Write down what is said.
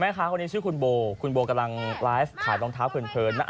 ค้าคนนี้ชื่อคุณโบคุณโบกำลังไลฟ์ขายรองเท้าเพลินนะ